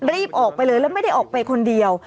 รีบออกไปเลยแล้วไม่ได้ออกไปคนเดียว